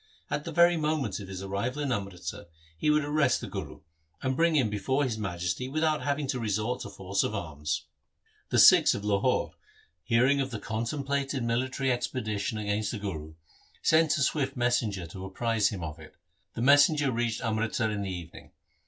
At the very moment of his arrival in Amritsar he would arrest the Guru, and bring him before his Majesty without having to resort to force of arms. The Sikhs of Lahore hearing of the contemplated SIKH. IV G 82 THE SIKH RELIGION military expedition against the Guru sent a swift mes senger to apprise him of it. The messenger reached Amritsar in the evening.